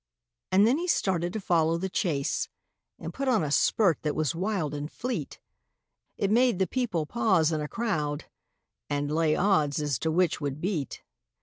And then he started to follow the chase, And put on a spurt that was wild and fleet, It made the people pause in a crowd, And lay odds as to which would beat.